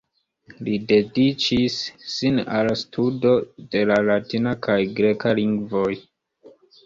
Li dediĉis sin al la studo de la latina kaj greka lingvoj.